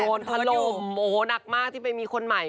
โดนฮัลโหลมโอ้โหหนักมากที่ไปมีคนใหม่